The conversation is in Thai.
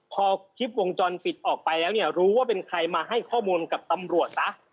พอคลิปวงจรปิดออกไปแล้วเนี่ยรู้ว่าเป็นใครมาให้ข้อมูลกับตำรวจซะ